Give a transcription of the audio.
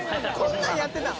「こんなんやってたん？」